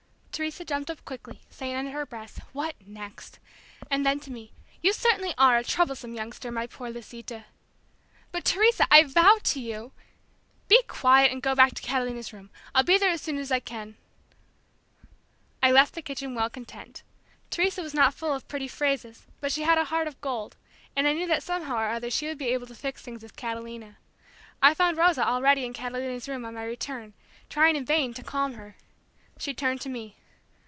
Teresa jumped up quickly, saying under her breath, "What next?" and then to me, "You certainly are a troublesome youngster, my poor Lisita!" "But Teresa, I vow to you...." "Be quiet, and go back to Catalina's room! I'll be there as soon as I can!" I left the kitchen well content. Teresa was not full of pretty phrases but she had a heart of gold, and I knew that somehow or other she would be able to fix things with Catalina. I found Rosa already in Catalina's room on my return, trying in vain to calm her. She turned to me.